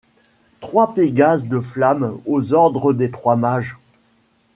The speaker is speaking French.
Trois pégases de flamme aux ordres des trois mages ;